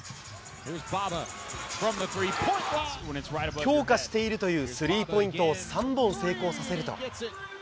強化しているというスリーポイントを３本成功させると。